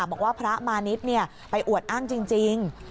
บอกว่าพระมานิดไปอวดอ้างจริง